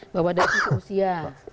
bahwa dari usia